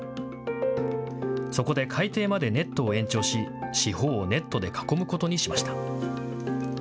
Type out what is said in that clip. そこで海底までネットを延長し四方をネットで囲むことにしました。